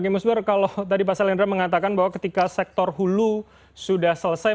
kimus bar kalau tadi pak salendra mengatakan bahwa ketika sektor hulu sudah selesai